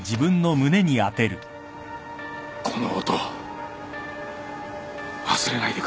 この音忘れないでくれ